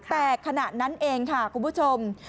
แต่ขณะนั้นเองค่ะคุณผู้ชม